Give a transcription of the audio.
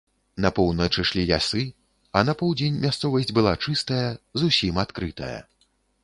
На поўнач ішлі лясы, а на поўдзень мясцовасць была чыстая, зусім адкрытая.